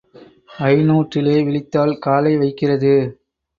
ஐந்நூற்றிலே விழித்தாள் காலை வைக்கிறது.